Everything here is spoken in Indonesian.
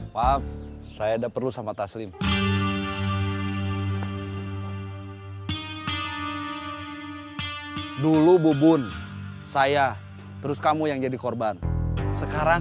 maaf saya ada perlu sama taslim dulu bubun saya terus kamu yang jadi korban sekarang